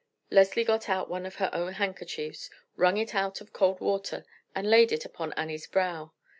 Leslie got out one of her own handkerchiefs, wrung it out of cold water, and laid it upon Annie's brow.